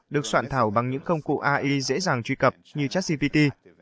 được soạn thảo bằng những công cụ ai dễ dàng truy cập như chat cpt